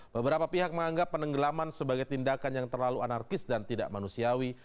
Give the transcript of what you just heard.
beberapa pihak menganggap penenggelaman sebagai tindakan yang terlalu anarkis dan tidak manusiawi